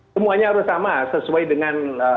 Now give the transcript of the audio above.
semuanya harus sama sesuai dengan